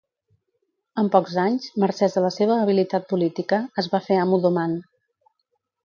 En pocs anys, mercès a la seva habilitat política, es va fer amo d'Oman.